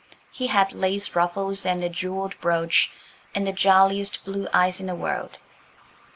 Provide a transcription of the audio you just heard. He had lace ruffles and a jewelled brooch, and the jolliest blue eyes in the world.